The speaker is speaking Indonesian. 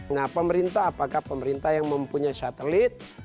nah pemerintah apakah pemerintah yang mempunyai satelit